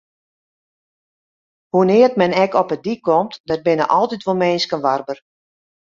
Hoenear't men ek op 'e dyk komt, der binne altyd wol minsken warber.